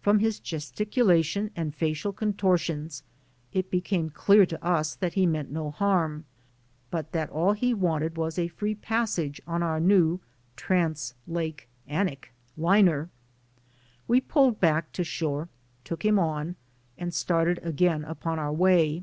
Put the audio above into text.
From his gesticulation and facial contor tions, it became clear to us that he meant no harm, but that all he wanted was a free passage on our new "trans lake anic" liner! We pulled back to shore, took him on and started again upon our way.